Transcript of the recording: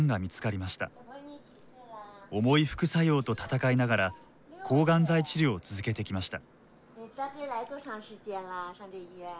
重い副作用と闘いながら抗がん剤治療を続けてきました。